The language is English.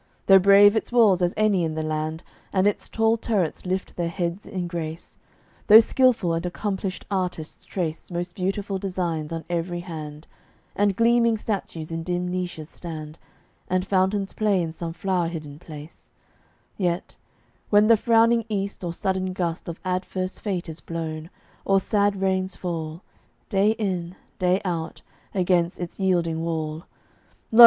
Though brave its walls as any in the land, And its tall turrets lift their heads in grace; Though skilful and accomplished artists trace Most beautiful designs on every hand, And gleaming statues in dim niches stand, And fountains play in some flow'r hidden place: Yet, when from the frowning east a sudden gust Of adverse fate is blown, or sad rains fall, Day in, day out, against its yielding wall, Lo!